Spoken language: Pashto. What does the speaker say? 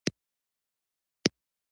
یوه یې پر کاغذ باندې یو څه ولیکل، ویې ویل.